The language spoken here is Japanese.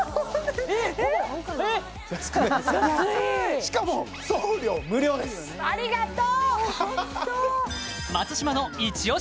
しかも送料無料ですありがとう！